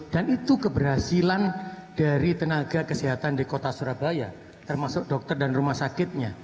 dan itu keberhasilan dari tenaga kesehatan di kota surabaya termasuk dokter dan rumah sakitnya